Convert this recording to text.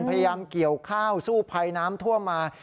พยายามเกี่ยวข้าวสู้ภัยน้ำท่วมมา